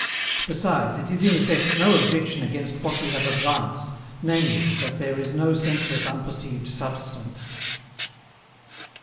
Besides, it is in effect no objection against what we have advanced, viz. that there is no senseless unperceived substance.